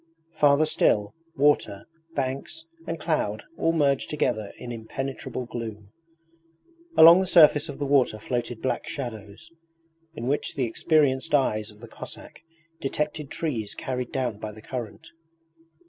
Farther still, water, banks, and cloud all merged together in impenetrable gloom. Along the surface of the water floated black shadows, in which the experienced eyes of the Cossack detected trees carried down by the current.